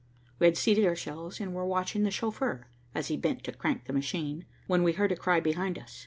We had seated ourselves and were watching the chauffeur, as he bent to crank the machine, when we heard a cry behind us.